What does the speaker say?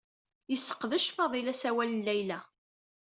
Yseqdec Faḍil asawal n Layla.